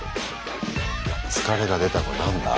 疲れが出たか何だ？